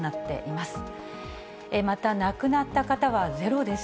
また亡くなった方は０です。